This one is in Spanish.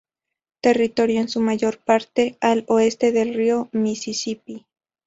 Territorio en su mayor parte al oeste del río Misisipi.